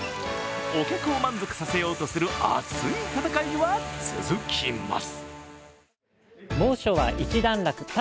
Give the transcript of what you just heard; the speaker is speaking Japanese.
お客を満足させようとする熱い戦いは続きます。